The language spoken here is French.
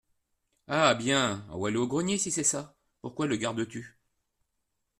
Ah ! bien ! envoie-le au grenier, si c’est ça !… pourquoi le gardes-tu ?